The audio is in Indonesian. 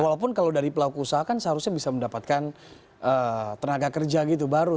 walaupun kalau dari pelaku usaha kan seharusnya bisa mendapatkan tenaga kerja gitu baru